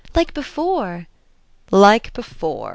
"Like before." "Like before!"